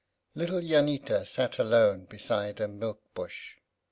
Little Jannita sat alone beside a milk bush.